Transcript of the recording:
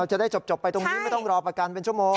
จะได้จบไปตรงนี้ไม่ต้องรอประกันเป็นชั่วโมง